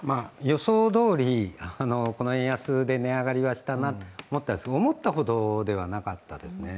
予想どおりこの円安で値上がりはしたなと、思ったほどではなかったですね。